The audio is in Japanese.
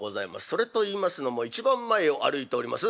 それといいますのも一番前を歩いております